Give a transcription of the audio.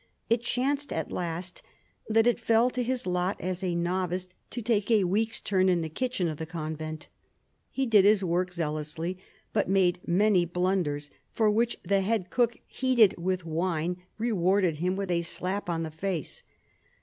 It chanced at last that it fell to his lot as a novice to take a week's turn in the kitchen of the convent. He did his work zealously but made many blunders, for which the head cook, heated with wine, rewarded him with a ship on the face.